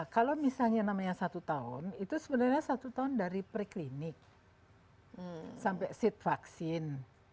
kalau misalnya namanya satu tahun itu sebenarnya satu tahun dari preklinik sampai seat vaksin